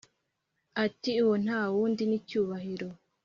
ati"uwo ntawundi ni cyubahiro